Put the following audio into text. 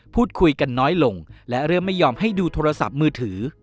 พูดคุยกันน้อยลงและเริ่มไม่ยอมให้ดูโทรศัพท์มือถือ